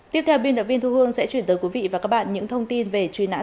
tiếp theo biên tập viên thu hương sẽ chuyển tới quý vị và các bạn những thông tin về truy nãn tội phạm